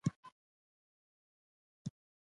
اویس عزیزی ښه دروازه ساتونکی دی.